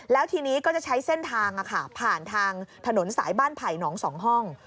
แล้วทีนี้ก็จะใช้เส้นทางผ่านทางถนนสายบ้านไผ่หนอง๒ห้อง